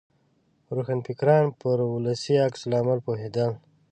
روښانفکران پر ولسي عکس العمل پوهېدل.